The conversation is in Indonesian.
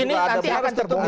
ini nanti akan terbongkar